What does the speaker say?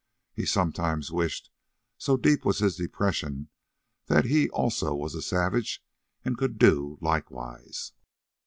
He sometimes wished, so deep was his depression, that he also was a savage and could do likewise.